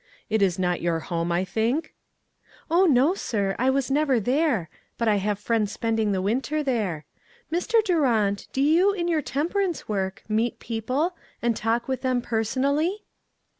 It is not your home, I think?" *' Oh, no, sir ; I was never there, but I have friends spending the winter there. Mr. Durant, do you, in your temperance work, meet people, and talk with them personally?"